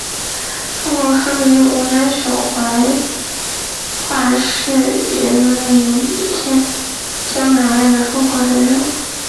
凤凰寺位于湖南省怀化市沅陵县沅江南岸的凤凰山上。